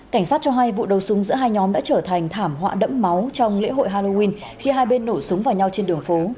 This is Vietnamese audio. cảnh sát cho hay vụ đầu súng giữa hai nhóm đã trở thành thảm họa đẫm máu trong lễ hội halloween khi hai bên nổ súng vào nhau trên đường phố